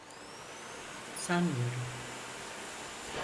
Sanmıyorum.